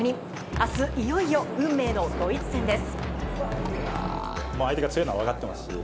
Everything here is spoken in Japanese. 明日いよいよ運命のドイツ戦です。